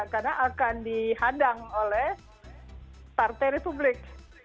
karena akan dihadang oleh partai republik